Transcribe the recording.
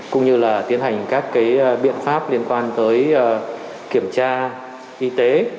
cũng như là tiến hành các biện pháp liên quan tới kiểm tra y tế